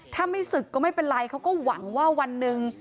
ถ้าไม่ศึกก็ไม่เป็นไรเขาก็หวังว่าวันหนึ่ง